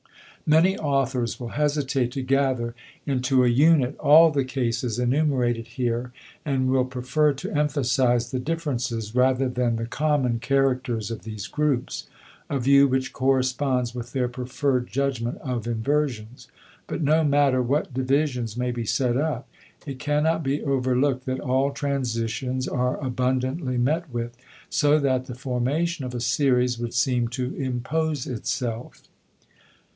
Many authors will hesitate to gather into a unit all the cases enumerated here and will prefer to emphasize the differences rather than the common characters of these groups, a view which corresponds with their preferred judgment of inversions. But no matter what divisions may be set up, it cannot be overlooked that all transitions are abundantly met with, so that the formation of a series would seem to impose itself.